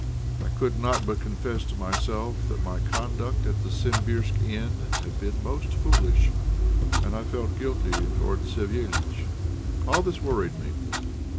I could not but confess to myself that my conduct at the Simbirsk Inn had been most foolish, and I felt guilty toward Savéliitch. All this worried me.